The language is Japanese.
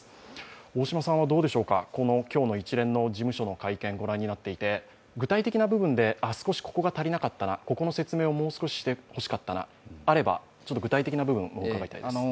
大島さんは、今日の一連の事務所の会見ご覧になっていて、具体的な部分で少しここが足りなかったな、ここの説明をもう少ししてほしかったなということがあれば、具体的な部分を伺いたいです。